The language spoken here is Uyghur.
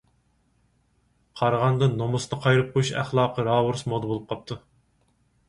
قارىغاندا، نومۇسنى قايرىپ قويۇش ئەخلاقى راۋۇرۇس مودا بولۇپ قاپتۇ.